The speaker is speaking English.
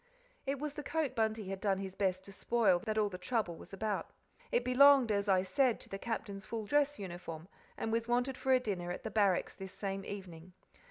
It was the coat Bunty had done his best to spoil that all the trouble was about. It belonged, as I said, to the Captain's full dress uniform, and was wanted for a dinner at the Barracks this same evening.